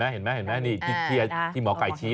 เห็นไหมนี่ที่หมอไก่ชี้นะ